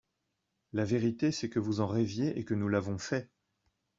La vérité, c’est que vous en rêviez et que nous l’avons fait